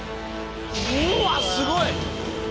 うわすごい！